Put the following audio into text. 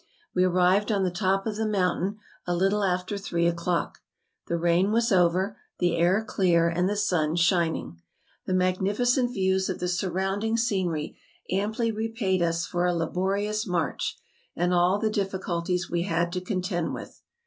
We arrived on the top of the mountain a little after three o'clock. The rain was over, the air clear, and the sun shining. The magnificent views of the surrounding scenery amply repaid us for a laborious march, and all the difficulties we had to contend with.